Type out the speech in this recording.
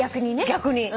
逆に。